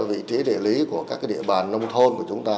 vị trí địa lý của các địa bàn nông thôn của chúng ta